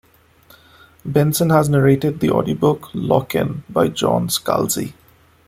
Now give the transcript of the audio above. Benson has narrated the audiobook "Lock In" by John Scalzi.